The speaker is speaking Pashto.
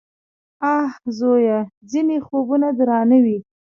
_اه ! زويه! ځينې خوبونه درانه وي.